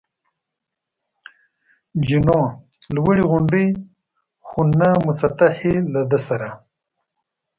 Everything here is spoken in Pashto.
جینو: لوړې غونډۍ، خو نه مسطحې، له ده سره.